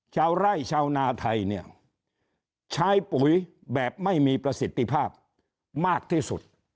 ชาวไร่ชาวนาไทยเนี่ยใช้ปุ๋ยแบบไม่มีประสิทธิภาพมากที่สุด